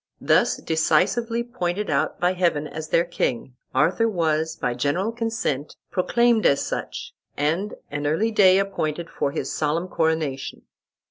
Thus decisively pointed out by Heaven as their king, Arthur was by general consent proclaimed as such, and an early day appointed for his solemn coronation.